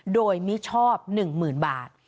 โดยมิชอบ๑๐๐๐บาท